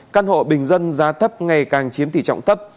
căn hộ bình dân giá thấp ngày càng chiếm tỷ trọng thấp